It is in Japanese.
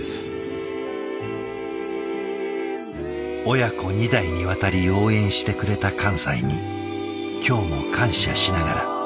親子２代にわたり応援してくれた寛斎に今日も感謝しながら。